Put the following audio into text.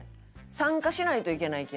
参加しないといけない系。